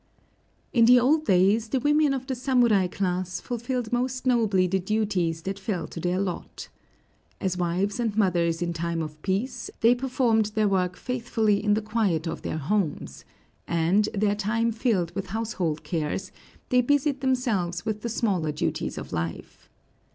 [*223] In the old days, the women of the samurai class fulfilled most nobly the duties that fell to their lot. As wives and mothers in time of peace, they performed their work faithfully in the quiet of their homes; and, their time filled with household cares, they busied themselves with the smaller duties of life.